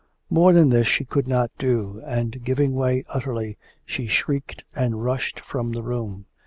More than this she could not do, and giving way utterly, she shrieked and rushed from the room.